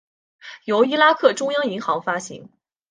由伊拉克中央银行发行。